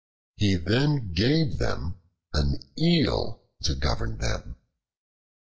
He then gave them an Eel to govern them.